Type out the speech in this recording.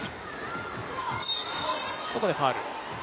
ここでファウル。